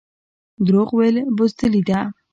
دروغ ویل بزدلي ده